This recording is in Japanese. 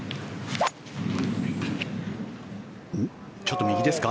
ちょっと右ですか？